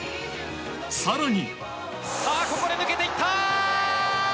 更に。